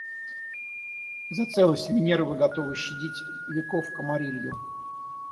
За целость Венеры вы готовы щадить веков камарилью.